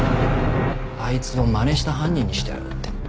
あいつをまねした犯人にしてやろうって。